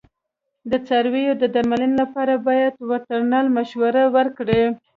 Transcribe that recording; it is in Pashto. د څارویو د درملنې لپاره باید وترنر مشوره ورکړي.